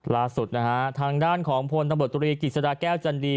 ล่าสุดนะฮะทางด้านของผลตำรวจตุริกฤษฎาแก้วจันทรีย์